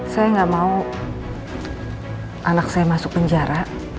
saya nggak mau anak saya masuk penjara